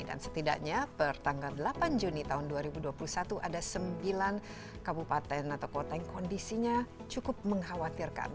dan setidaknya per tanggal delapan juni dua ribu dua puluh satu ada sembilan kabupaten atau kota yang kondisinya cukup mengkhawatirkan